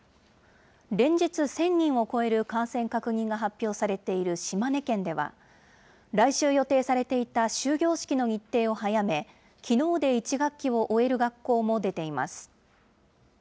連日、１０００人を超える感染確認が発表されている島根県では、来週予定されていた終業式の日程を早め、きのうで１学期を終える学校も出ています。